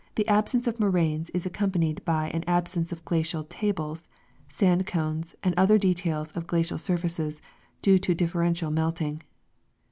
ahsonf',(3 of moraines is acf oiiipanicid hy an al>seiK',e of j^hieial tahh^s, san(l (;ones and other details of glacial surfaces due to differential melting.